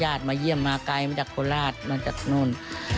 มาเยี่ยมมาไกลมาจากโคราชมาจากนู่น